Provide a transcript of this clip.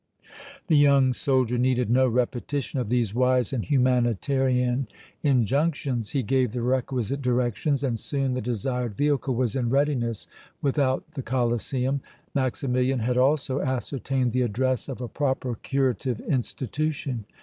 The young soldier needed no repetition of these wise and humanitarian injunctions. He gave the requisite directions and soon the desired vehicle was in readiness without the Colosseum. Maximilian had also ascertained the address of a proper curative institution.